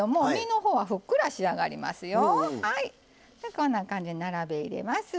こんな感じに並べ入れます。